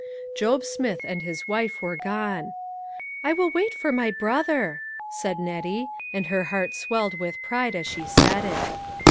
Job Smith and his wife were gone. " I will wait for my brother," said Nettie, and her heart swelled with pride as she said it.